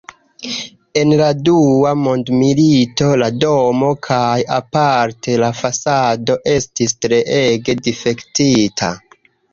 En la Dua Mondmilito la domo kaj aparte la fasado estis treege difektita.